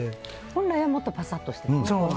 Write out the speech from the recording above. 本来はもっとパサッとしている？